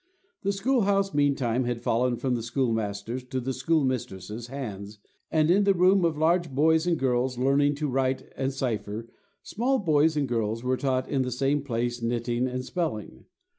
The school house meantime had fallen from the schoolmaster's to the schoolmistress's hands, and in the room of large boys and girls learning to write and cipher, small boys and girls were taught in the same place knitting and spelling.